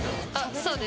そうです。